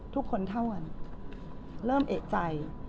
ทุกคนเท่ากันเริ่มเอกใจ